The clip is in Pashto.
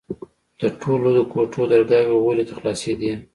د ټولو کوټو درگاوې غولي ته خلاصېدې.